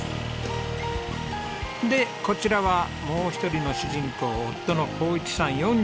でこちらはもう一人の主人公夫の紘一さん４３歳です。